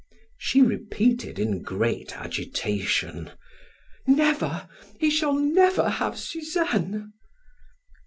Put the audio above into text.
She repeated in great agitation: "Never; he shall never have Suzanne."